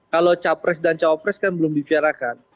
kalau capres dan cawapres kan belum diviarakan